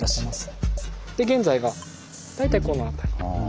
現在は大体この辺り。